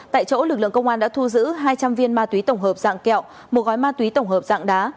tại chỗ lực lượng công an đã thu giữ hai trăm linh viên ma túy tổng hợp dạng kẹo một gói ma túy tổng hợp dạng đá